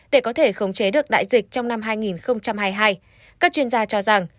để có thể khống chế được đại dịch trong năm hai nghìn hai mươi hai các chuyên gia cho rằng